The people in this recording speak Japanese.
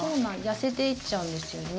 痩せていっちゃうんですよね。